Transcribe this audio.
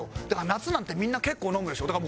だから夏なんてみんな結構飲むでしょ？